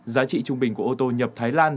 giá trị trung bình của ô tô nhập thái lan